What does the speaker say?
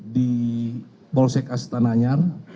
di polsek astananyar